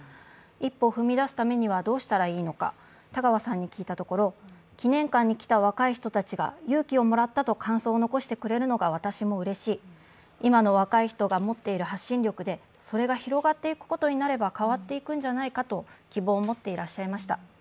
一歩踏み出すためにはどうしたらいいのか田川さんに聞いたところ祈念館に来た若い人たちが勇気をもらったと感想を残してくれるのが私もうれしい、今の若い人が持っている発信力でそれが広がっていくことになれば変わっていくんじゃないかと希望を持っていらっしゃいました。